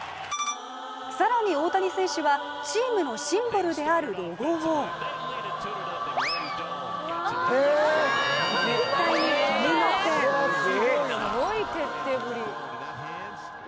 さらに大谷選手はチームのシンボルであるロゴを絶対に踏みません